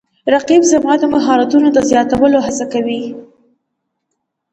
رقیب زما د مهارتونو د زیاتولو هڅه کوي